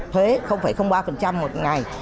thuế ba một ngày